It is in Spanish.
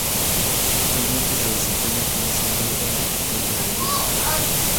Actualmente se desempeña como senadora de la República.